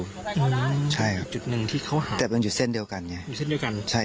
อยู่จุดหนึ่งที่เขาหา